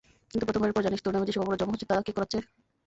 কিন্তু প্রথমবারের পর জানিস তোর নামে যেসব অপরাধ জমা হচ্ছে তা কে করাচ্ছে?